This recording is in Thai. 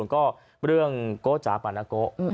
ก็เรื่องโกจ๋าปานาโก